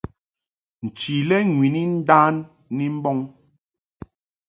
Nchi lɛ ŋwini ndan ni mbɔŋ.